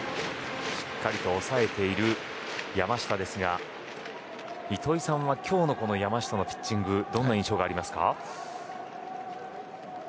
しっかりと抑えている山下ですが糸井さんは今日の山下のピッチングどんな印象がありますか。